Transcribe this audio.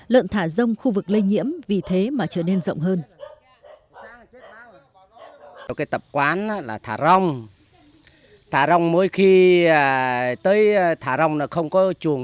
lợn thả rông khu vực lây nhiễm vì thế mà trở nên rộng hơn